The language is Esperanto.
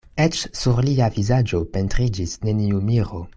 Eĉ sur lia vizaĝo pentriĝis neniu miro.